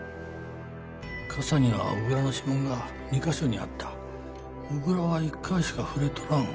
傘には小倉の指紋が２カ所にあった小倉は１回しか触れとらん